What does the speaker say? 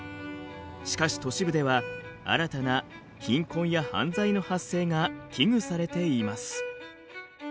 しかし都市部では新たな貧困や犯罪の発生が危惧されています。